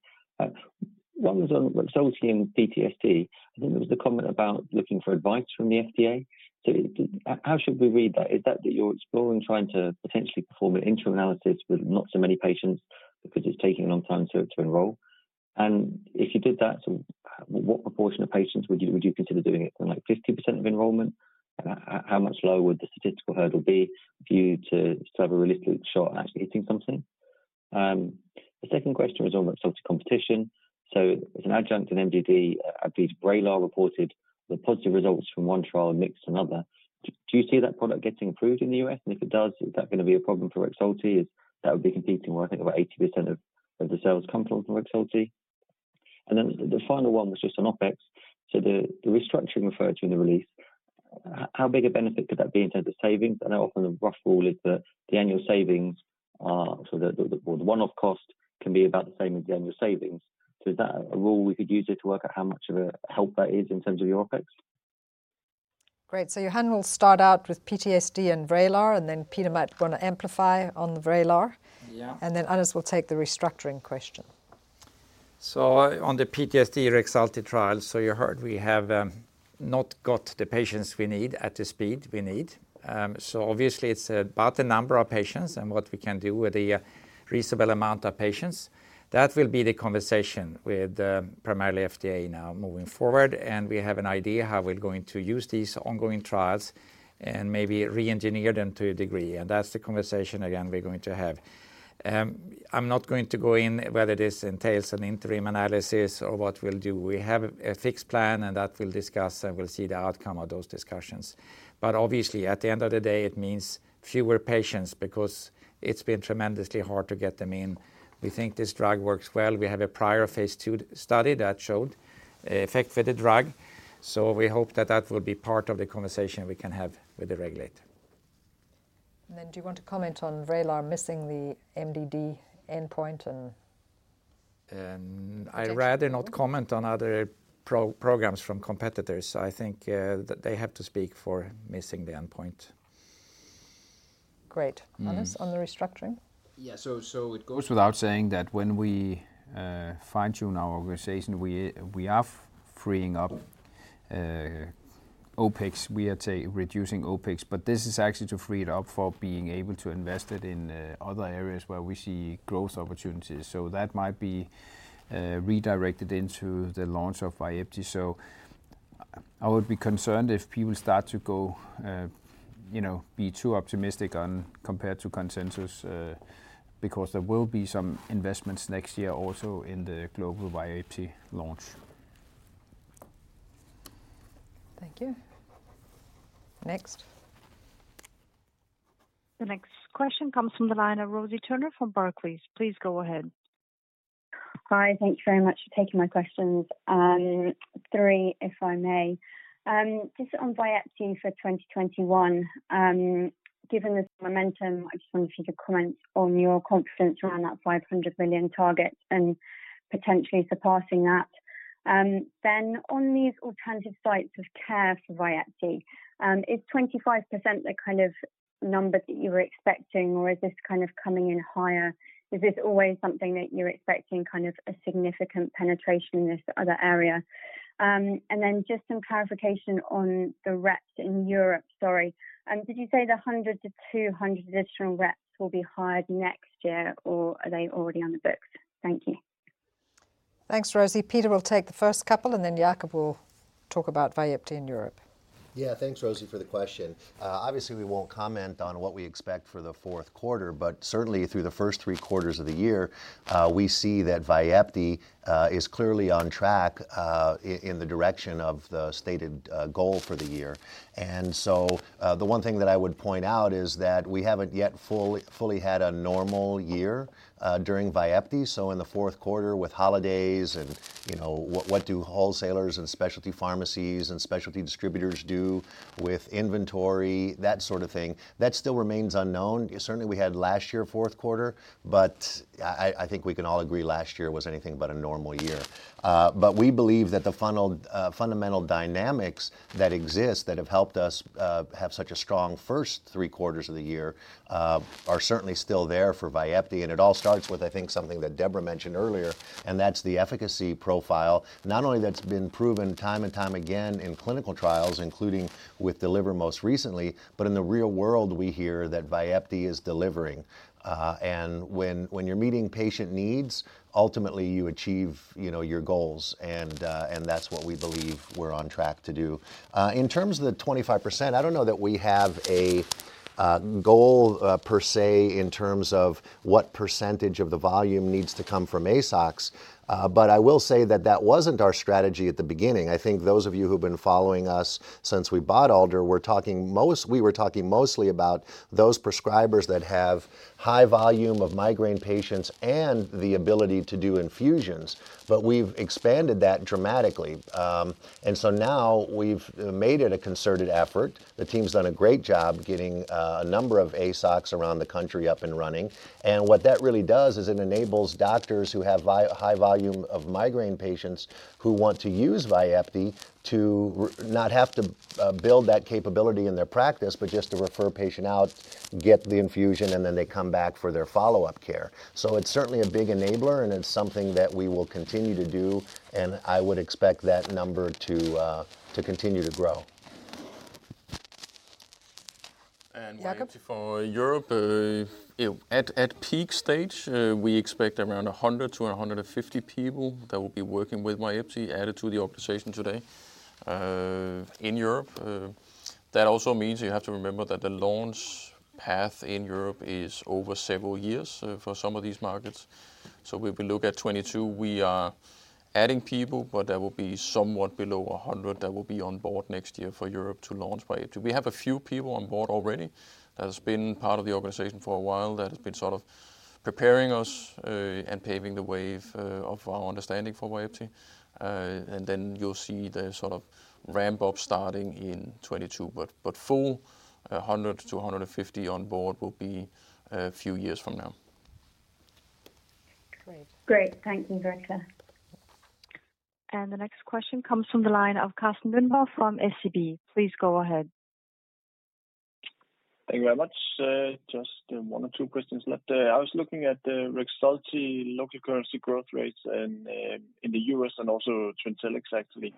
One was on Rexulti and PTSD. I think there was the comment about looking for advice from the FDA. How should we read that? Is that you're exploring trying to potentially perform an interim analysis with not so many patients because it's taking a long time to enroll? And if you did that, what proportion of patients would you consider doing it from, like 50% of enrollment? How much lower would the statistical hurdle be for you to have a realistic shot at actually getting something? The second question was on Rexulti competition. As an adjunct in MDD, I believe Vraylar reported the positive results from one trial, missed another. Do you see that product getting approved in the U.S.? If it does, is that gonna be a problem for Rexulti, as that would be competing where I think over 80% of the sales come from for Rexulti? The final one was just on OpEx. The restructuring referred to in the release, how big a benefit could that be in terms of savings? I know often the rough rule is that the annual savings are, or the one-off cost can be about the same as the annual savings. Is that a rule we could use here to work out how much of a help that is in terms of your OpEx? Great. Johan will start out with PTSD and Vraylar, and then Peter might wanna amplify on the Vraylar. Yeah. Anders Götzsche will take the restructuring question. On the PTSD Rexulti trial, you heard we have not got the patients we need at the speed we need. Obviously it's about the number of patients and what we can do with a reasonable amount of patients. That will be the conversation with primarily FDA now moving forward. We have an idea how we're going to use these ongoing trials and maybe re-engineer them to a degree. That's the conversation again, we're going to have. I'm not going to go in whether this entails an interim analysis or what we'll do. We have a fixed plan and that we'll discuss, and we'll see the outcome of those discussions. Obviously at the end of the day, it means fewer patients because it's been tremendously hard to get them in. We think this drug works well. We have a prior phase II study that showed effect for the drug. We hope that will be part of the conversation we can have with the regulator. Do you want to comment on Vraylar missing the MDD endpoint and- I'd rather not comment on other programs from competitors. I think that they have to speak for missing the endpoint. Great. Mm-hmm. Jacob Tolstrup, on the restructuring. Yeah. It goes without saying that when we fine-tune our organization, we are freeing up OpEx. We are say reducing OpEx, but this is actually to free it up for being able to invest it in other areas where we see growth opportunities. That might be redirected into the launch of VYEPTI. I would be concerned if people start to go, you know, be too optimistic on compared to consensus, because there will be some investments next year also in the global VYEPTI launch. Thank you. Next. The next question comes from the line of Rosie Turner from Barclays. Please go ahead. Hi. Thank you very much for taking my questions. Three, if I may. Just on VYEPTI for 2021, given this momentum, I just wanted you to comment on your confidence around that 500 million target and potentially surpassing that. Then on these alternative sites of care for VYEPTI, is 25% the kind of number that you were expecting or is this kind of coming in higher? Is this always something that you're expecting kind of a significant penetration in this other area? Just some clarification on the reps in Europe. Sorry. Did you say 100-200 additional reps will be hired next year or are they already on the books? Thank you. Thanks, Rosie. Peter will take the first couple and then Jacob will talk about VYEPTI in Europe. Yeah. Thanks, Rosie, for the question. Obviously, we won't comment on what we expect for the fourth quarter, but certainly through the first three quarters of the year, we see that VYEPTI is clearly on track in the direction of the stated goal for the year. The one thing that I would point out is that we haven't yet fully had a normal year during VYEPTI. In the fourth quarter with holidays and, you know, what do wholesalers and specialty pharmacies and specialty distributors do with inventory, that sort of thing, that still remains unknown. Certainly we had last year, fourth quarter, but I think we can all agree last year was anything but a normal year. We believe that the favorable fundamental dynamics that exist that have helped us have such a strong first three quarters of the year are certainly still there for VYEPTI. It all starts with, I think, something that Deborah mentioned earlier, and that's the efficacy profile. Not only that's been proven time and time again in clinical trials, including with DELIVER most recently, but in the real world we hear that VYEPTI is delivering. When you're meeting patient needs, ultimately you achieve, you know, your goals. That's what we believe we're on track to do. In terms of the 25%, I don't know that we have a goal per se in terms of what percentage of the volume needs to come from ASOCs. I will say that wasn't our strategy at the beginning. I think those of you who've been following us since we bought Alder, we were talking mostly about those prescribers that have high volume of migraine patients and the ability to do infusions. We've expanded that dramatically. Now we've made it a concerted effort. The team's done a great job getting a number of ASOCs around the country up and running. What that really does is it enables doctors who have high volume of migraine patients who want to use VYEPTI to not have to build that capability in their practice, but just to refer a patient out, get the infusion, and then they come back for their follow-up care. It's certainly a big enabler and it's something that we will continue to do, and I would expect that number to continue to grow. Jacob. VYEPTI for Europe, you know, at peak stage, we expect around 100 to 150 people that will be working with VYEPTI added to the organization today, in Europe. That also means you have to remember that the launch path in Europe is over several years, for some of these markets. If we look at 2022, we are adding people, but that will be somewhat below 100 that will be on board next year for Europe to launch VYEPTI. We have a few people on board already that's been part of the organization for a while that has been sort of preparing us, and paving the way, of our understanding for VYEPTI. Then you'll see the sort of ramp up starting in 2022. 100-150 on board will be a few years from now. Great. Thank you. Very clear. The next question comes from the line of Carsten Lønborg-Madsen from SEB. Please go ahead. Thank you very much. Just one or two questions left. I was looking at the Rexulti local currency growth rates and in the U.S. and also Trintellix actually.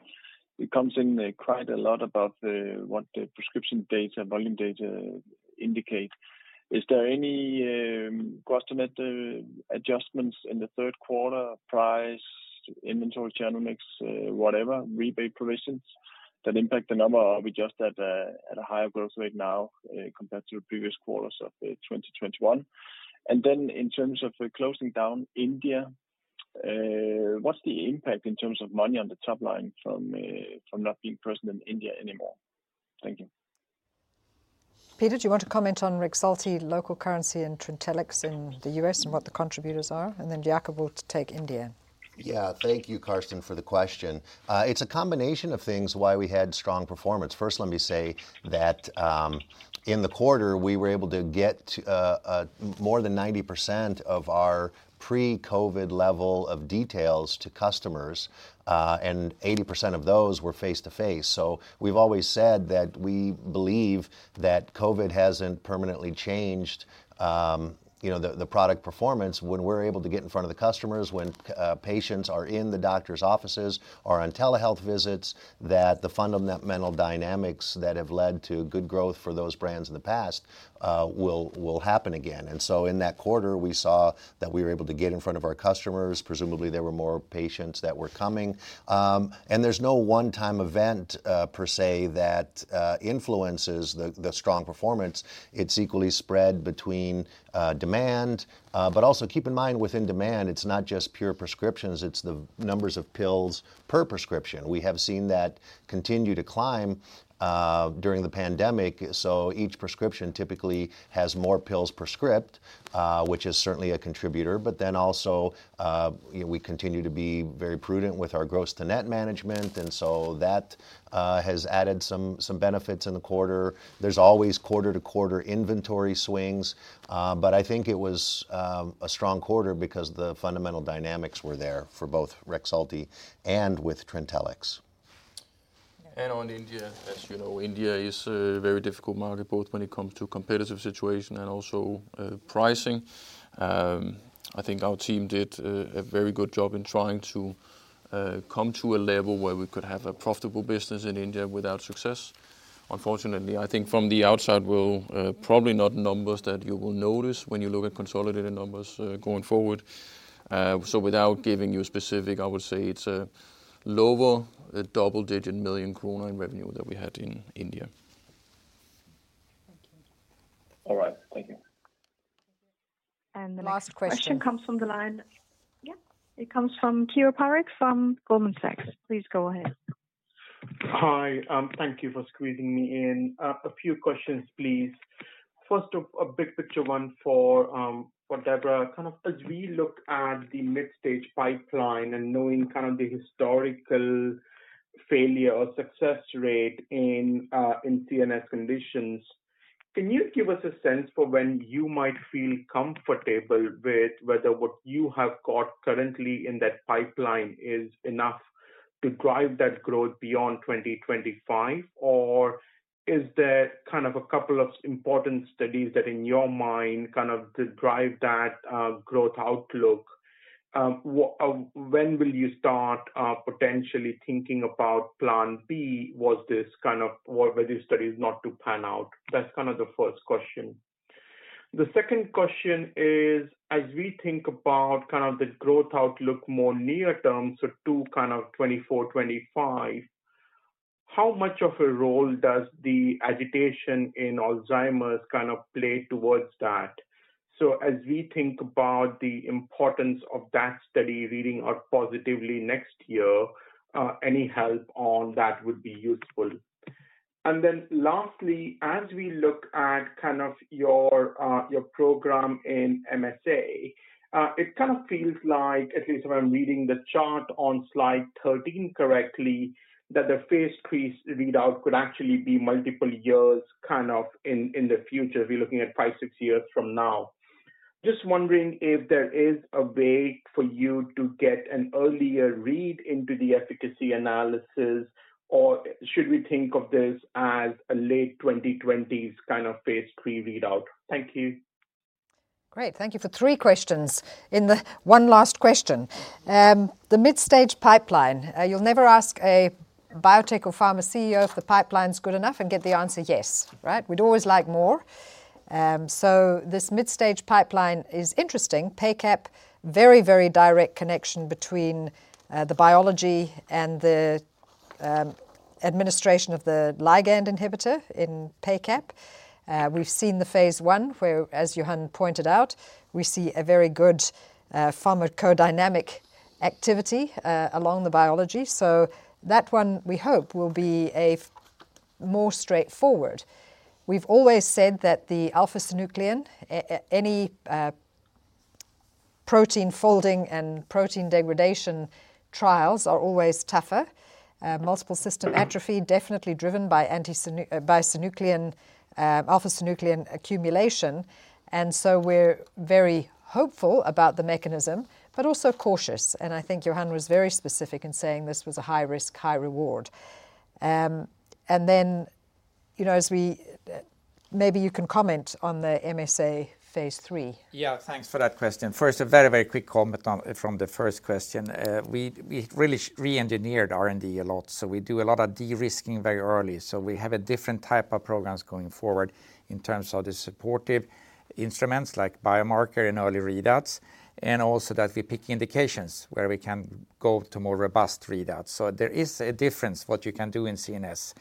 It comes in quite a lot about what the prescription data, volume data indicate. Is there any guesstimate adjustments in the third quarter, price, inventory channel mix, whatever, rebate provisions that impact the number? Or are we just at a higher growth rate now compared to the previous quarters of 2021? In terms of closing down India, what's the impact in terms of money on the top line from not being present in India anymore? Thank you. Peter, do you want to comment on Rexulti local currency and Trintellix in the U.S. and what the contributors are? Jacob will take India. Yeah. Thank you, Carsten, for the question. It's a combination of things why we had strong performance. First, let me say that in the quarter, we were able to get more than 90% of our pre-COVID level of details to customers, and 80% of those were face-to-face. We've always said that we believe that COVID hasn't permanently changed you know the product performance when we're able to get in front of the customers, when patients are in the doctor's offices or on telehealth visits, that the fundamental dynamics that have led to good growth for those brands in the past will happen again. In that quarter, we saw that we were able to get in front of our customers. Presumably, there were more patients that were coming. There's no one-time event per se that influences the strong performance. It's equally spread between demand. Keep in mind within demand, it's not just pure prescriptions, it's the numbers of pills per prescription. We have seen that continue to climb during the pandemic. Each prescription typically has more pills per script, which is certainly a contributor. You know, we continue to be very prudent with our gross to net management, and so that has added some benefits in the quarter. There's always quarter-to-quarter inventory swings. I think it was a strong quarter because the fundamental dynamics were there for both Rexulti and Trintellix. On India, as you know, India is a very difficult market both when it comes to competitive situation and also pricing. I think our team did a very good job in trying to come to a level where we could have a profitable business in India without success. Unfortunately, I think from the outside will probably not be numbers that you will notice when you look at consolidated numbers going forward. Without giving you specifics, I would say it's a lower double-digit million kroner in revenue that we had in India. All right. Thank you. Last Question The next question comes from the line of Keyur Parekh from Goldman Sachs. Please go ahead. Hi. Thank you for squeezing me in. A few questions, please. First off, a big picture one for Deborah. Kind of as we look at the mid-stage pipeline and knowing kind of the historical failure or success rate in CNS conditions, can you give us a sense for when you might feel comfortable with whether what you have got currently in that pipeline is enough to drive that growth beyond 2025? Or is there kind of a couple of important studies that in your mind kind of could drive that growth outlook? When will you start potentially thinking about plan B? Was this kind of or were these studies not to pan out? That's kind of the first question. The second question is, as we think about kind of the growth outlook more near-term, so to kind of 2024, 2025, how much of a role does the agitation in Alzheimer's kind of play towards that? As we think about the importance of that study reading out positively next year, any help on that would be useful. Lastly, as we look at kind of your program in MSA, it kind of feels like at least when I'm reading the chart on slide 13 correctly, that the phase III readout could actually be multiple years kind of in the future. We're looking at 5 year-6 years from now. Just wondering if there is a way for you to get an earlier read into the efficacy analysis, or should we think of this as a late 2020s kind of phase III readout? Thank you. Great. Thank you for three questions in the one last question. The mid-stage pipeline, you'll never ask a biotech or pharma CEO if the pipeline's good enough and get the answer yes, right? We'd always like more. This mid-stage pipeline is interesting. PACAP, very, very direct connection between the biology and the administration of the ligand inhibitor in PACAP. We've seen the phase I where, as Johan pointed out, we see a very good pharmacodynamic activity along the biology. So that one we hope will be a far more straightforward. We've always said that the alpha-synuclein, any protein folding and protein degradation trials are always tougher. Multiple system atrophy definitely driven by alpha-synuclein accumulation. We're very hopeful about the mechanism, but also cautious. I think Johan was very specific in saying this was a high risk, high reward. You know, as we, maybe you can comment on the MSA phase III. Yeah, thanks for that question. First, a very, very quick comment on from the first question. We really reengineered R&D a lot. We do a lot of de-risking very early. We have a different type of programs going forward in terms of the supportive instruments like biomarker and early readouts, and also that we pick indications where we can go to more robust readouts. There is a difference what you can do in CNS.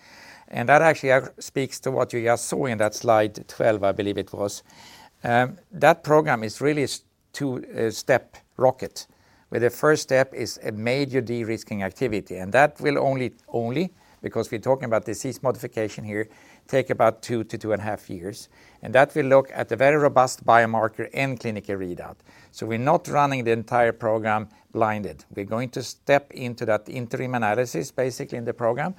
That actually speaks to what you just saw in that slide 12, I believe it was. That program is really two-step rocket, where the first step is a major de-risking activity. That will only, because we're talking about disease modification here, take about 2 years-2.5 years. That will look at the very robust biomarker and clinical readout. We're not running the entire program blinded. We're going to step into that interim analysis basically in the program,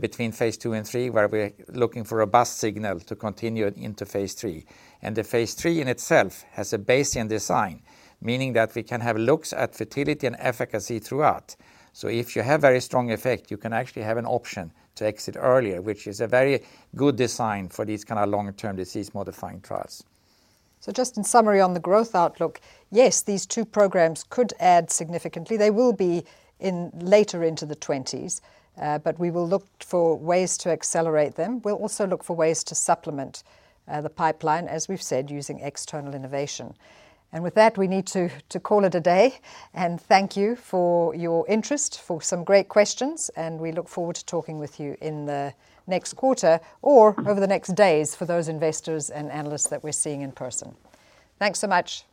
between phase II and III, where we're looking for a go signal to continue into phase III. The phase III in itself has a Bayesian design, meaning that we can have looks at futility and efficacy throughout. If you have very strong effect, you can actually have an option to exit earlier, which is a very good design for these kind of long-term disease modifying trials. Just in summary on the growth outlook, yes, these two programs could add significantly. They will be in later into the '20s, but we will look for ways to accelerate them. We'll also look for ways to supplement the pipeline, as we've said, using external innovation. With that, we need to call it a day. Thank you for your interest, for some great questions, and we look forward to talking with you in the next quarter or over the next days for those investors and analysts that we're seeing in person. Thanks so much.